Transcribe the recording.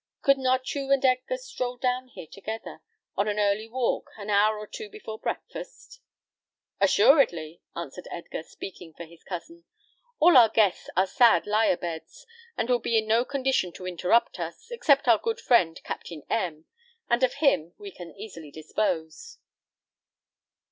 Could not you and Edgar stroll down here together on an early walk an hour or two before breakfast?" "Assuredly," answered Edgar, speaking for his cousin. "All our guests are sad lie a beds, and will be in no condition to interrupt us, except our good friend, Captain M , and of him we can easily dispose."